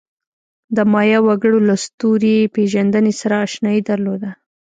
د مایا وګړو له ستوري پېژندنې سره آشنایي درلوده.